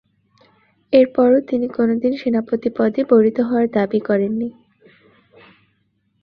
এরপরও তিনি কোনদিন সেনাপতি পদে বরিত হওয়ার দাবি করেননি।